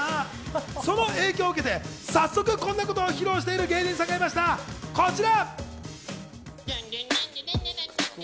その影響を受けて、早速、こんなことを披露している芸人さんがいました、こちら。